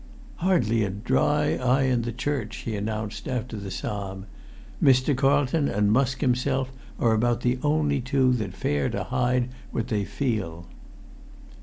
"Hardly a dry eye in the church!" he announced after the psalm. "Mr. Carlton and Musk himself are about the only two that fare to hide what they feel."